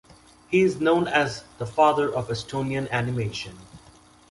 He is known as "the father of Estonian animation".